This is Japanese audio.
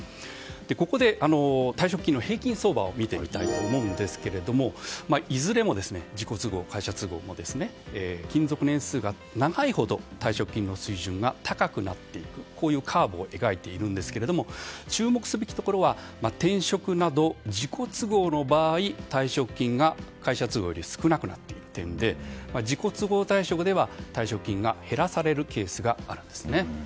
ここで、退職金の平均相場を見てみたいと思うんですけれども自己都合、会社都合いずれも勤続年数が長いほど退職金の水準が高くなっていくこういうカーブを描いているんですが注目すべきところは転職など自己都合の場合退職金が会社都合より少なくなっている点で自己都合退職では、退職金が減らされるケースがあるんですね。